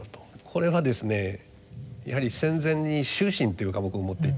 これはですねやはり戦前に「修身」という科目を持っていた。